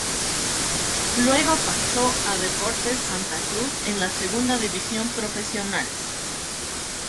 Luego pasó a Deportes Santa Cruz en la Segunda División Profesional.